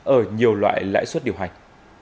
ở nhiều loại lãi suất điều hành